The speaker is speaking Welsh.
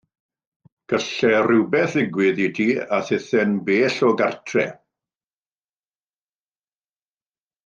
Gallai rhywbeth ddigwydd i ti, a thithau'n bell o gartre.